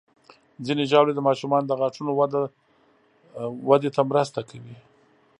ځینې ژاولې د ماشومانو د غاښونو وده ته مرسته کوي.